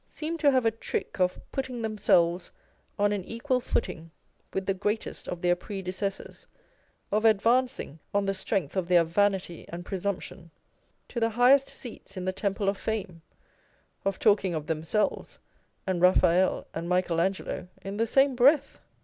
seem to have a trick of putting themselves on an equal footing with the greatest of their predecessors, of advanc ing, on the strength of their vanity and presumption, to the highest seats in the temple of fame, of talking of themselves and Eaphael and Michael Angelo in the same breath